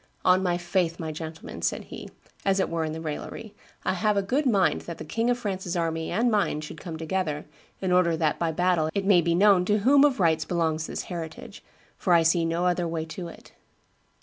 'On my faith, my gentleman,' said he, as it were in raillery, 'I have a good mind that the King of France's army and mine should come together, in order that by battle it may be known to whom of right belongs this heritage, for I see no other way to it.